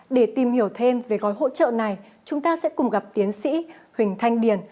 để tìm hiểu thêm về gói hỗ trợ này chúng ta sẽ cùng gặp tiến sĩ huỳnh thanh điền